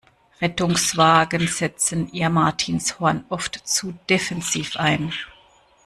Rettungswagen setzen ihr Martinshorn oft zu defensiv ein.